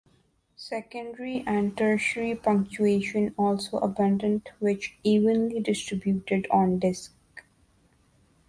Secondary and tertiary punctation also abundant which evenly distributed on disc.